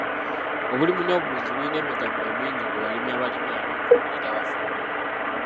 Obulimi n'obulunzi bulina emiganyulo mingi kubalimi abalimira n'okulundira awafunda.